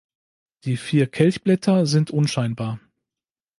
Die vier Kelchblätter sind unscheinbar.